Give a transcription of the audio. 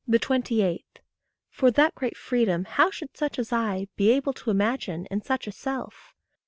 28. For, that great freedom how should such as I Be able to imagine in such a self?